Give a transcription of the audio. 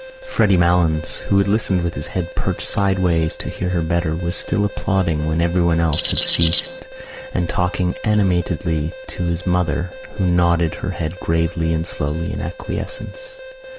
Freddy Malins, who had listened with his head perched sideways to hear her better, was still applauding when everyone else had ceased and talking animatedly to his mother who nodded her head gravely and slowly in acquiescence.